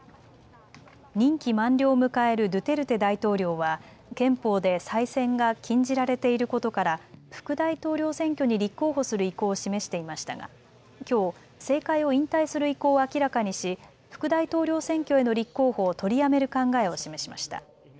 任期満了を迎えるドゥテルテ大統領は憲法で再選が禁じられていることから副大統領選挙に立候補する意向を示していましたがきょう政界を引退する意向を明らかにし、副大統領選挙への立候補を取りやめる考えを示しました。